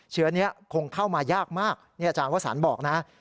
เชื้อนี้คงเข้ามายากมากนี่อาจารย์วสันบอกนะ